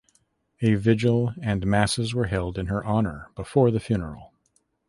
A vigil and masses were held in her honor before the funeral.